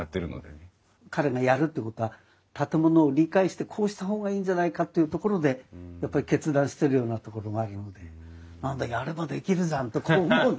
彼がやるってことは建物を理解してこうした方がいいんじゃないかっていうところでやっぱり決断してるようなところがあるので何だやればできるじゃんとか思うんだけど。